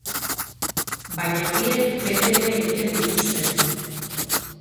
Baina horiek bete ere egiten dituzte.